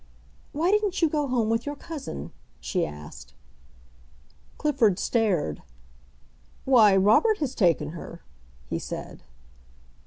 "Why didn't you go home with your cousin?" she asked. Clifford stared. "Why, Robert has taken her," he said.